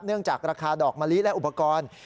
จากราคาดอกมะลิและอุปกรณ์